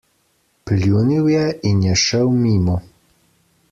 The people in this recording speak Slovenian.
Pljunil je in je šel mimo.